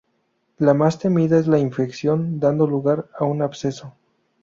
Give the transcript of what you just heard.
La más temida es la infección dando lugar a un absceso.